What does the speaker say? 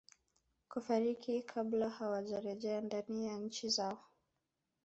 kufariki kabla hawajerejea ndani ya nchi zao